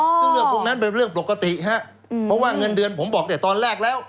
ซึ่งเรื่องพวกนั้นเป็นเรื่องปกติฮะเพราะว่าเงินเดือนผมบอกเนี่ยตอนแรกแล้ว